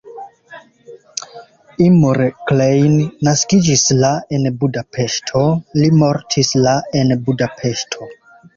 Imre Klein naskiĝis la en Budapeŝto, li mortis la en Budapeŝto.